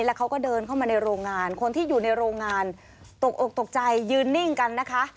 แล้วเขาก็เดินเข้ามาในโรงงานคนที่อยู่ในโรงงานตกอกตกใจยืนนิ่งกันนะคะ